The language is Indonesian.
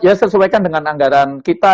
ya sesuaikan dengan anggaran kita